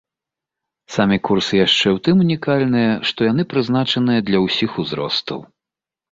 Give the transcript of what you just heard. Самі курсы яшчэ ў тым унікальныя, што яны прызначаныя для ўсіх узростаў.